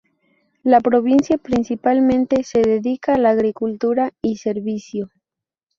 La provincia principalmente se dedica a la agricultura y servicio.